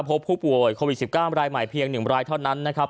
พบผู้ป่วยโควิด๑๙รายใหม่เพียง๑รายเท่านั้นนะครับ